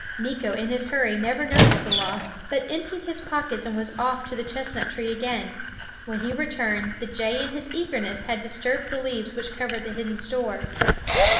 Meeko in his hurry never noticed the loss, but emptied his pockets and was off to the chestnut tree again. When he returned, the jay in his eagerness had disturbed the leaves which covered the hidden store.